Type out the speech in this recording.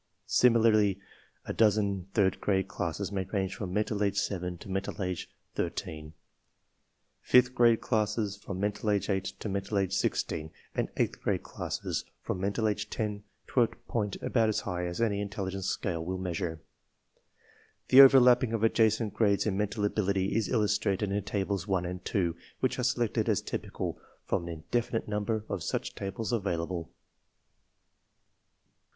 Similarly, a dozen third grade classes may range from mental age 7 to mental age 13, fifth grade classes from mental age 8 to mental age 16, and eighth grade classes from mental age 10 to a point about as high as any intelligence scale will measure. /~The overlapping of adjacent grades in mental ability is illustrated in Tables 1 and 2, which are selected as typical from an indefinite number of such tables avail able.